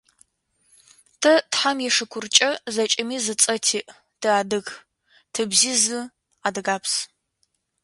Тэ, тхьам ишыкуркӏэ, зэкӏэми зы цӏэ тиӏ – тыадыг, тыбзи – зы: адыгабз.